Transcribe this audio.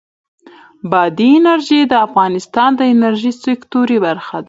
بادي انرژي د افغانستان د انرژۍ سکتور برخه ده.